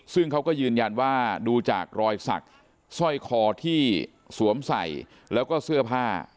ซึ่งเขาก็ยืนยันว่าดูจากรอยสักสร้อยคอที่สวมใส่แล้วก็เสื้อผ้า